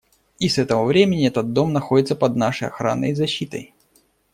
И с этого времени этот дом находится под нашей охраной и защитой.